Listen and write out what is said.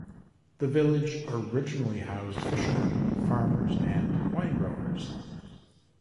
The village originally housed fishermen, farmers and winegrowers.